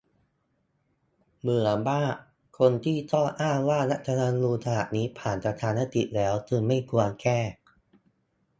เบื่อมาก คนที่ชอบอ้างว่า รัฐธรรมนูญ ฉบับนี้ผ่านประชามติแล้ว จึงไม่ควรแก้